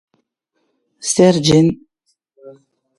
Sergent.